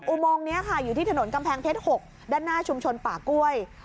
อุโมงนี้ค่ะอยู่ที่ถนนกำแพงเพชร๖ด้านหน้าชุมชนป่ากล้วย